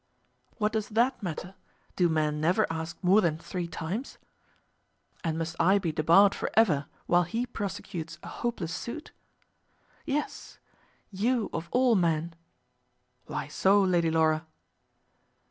"What does that matter? Do men never ask more than three times?" "And must I be debarred for ever while he prosecutes a hopeless suit?" "Yes; you of all men." "Why so, Lady Laura?"